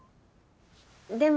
「でも」